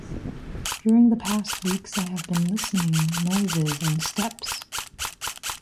During the past weeks I have been listening noises and steps.